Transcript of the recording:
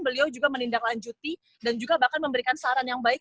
beliau juga menindaklanjuti dan juga bahkan memberikan saran yang baik